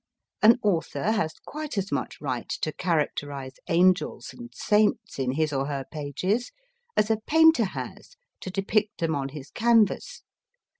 An author has quite as much right to characterise angels and saints in his or her pages as a painter has to depict them on his canvas.